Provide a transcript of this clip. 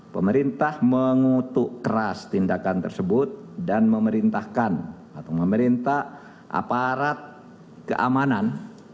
pemerintah mengutuk keras tindakan tersebut dan memerintahkan atau memerintah aparat keamanan